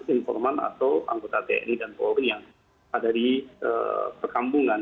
informan atau anggota tni dan polri yang ada di perkampungan